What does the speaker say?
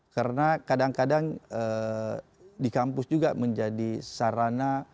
karena kadang kadang di kampus juga menjadi sarana